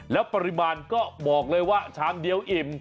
แล้วปริมาณก็บอกเลยว่าชามเดียวอิ่ม